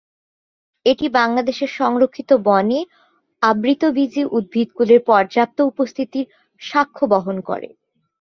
এটি বাংলাদেশের সংরক্ষিত বনে আবৃতবীজ উদ্ভিদকুলের পর্যাপ্ত উপস্থিতির সাক্ষ্যবহন করে।